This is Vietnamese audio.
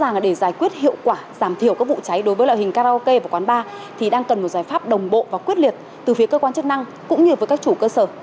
rằng để giải quyết hiệu quả giảm thiểu các vụ cháy đối với loại karaoke và quán bar thì đang cần một giải pháp đồng bộ và quyết liệt từ phía cơ quan chức năng cũng như với các chủ cơ sở